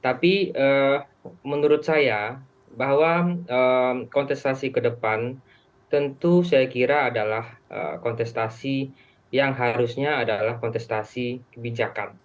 tapi menurut saya bahwa kontestasi ke depan tentu saya kira adalah kontestasi yang harusnya adalah kontestasi kebijakan